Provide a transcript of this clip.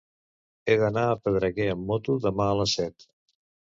He d'anar a Pedreguer amb moto demà a les set.